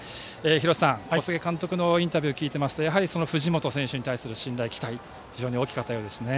廣瀬さん、小菅監督のインタビューを聞くと藤本選手に対する信頼が大きかったようですね。